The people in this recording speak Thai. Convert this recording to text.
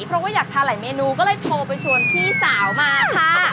เพราะว่าอยากทานหลายเมนูก็เลยโทรไปชวนพี่สาวมาค่ะ